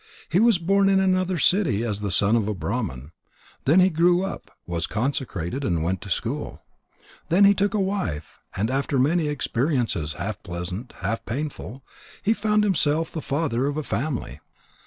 He was born in another city as the son of a Brahman. Then he grew up, was consecrated, and went to school. Then he took a wife, and after many experiences half pleasant, half painful, he found himself the father of a family.